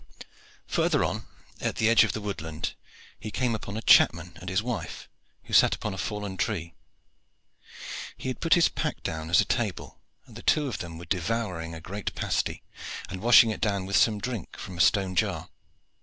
Further on, at the edge of the woodland, he came upon a chapman and his wife, who sat upon a fallen tree. He had put his pack down as a table, and the two of them were devouring a great pasty, and washing it down with some drink from a stone jar.